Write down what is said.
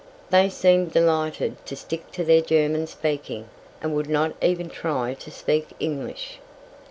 They seemed delighted to stick to their German speaking, and would not even try to speak English.